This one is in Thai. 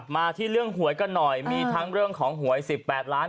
มาที่เรื่องหวยกันหน่อยมีทั้งเรื่องของหวย๑๘ล้าน